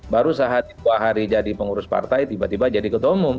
baru saat dua hari jadi pengurus partai tiba tiba jadi ketua umum